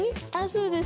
そうです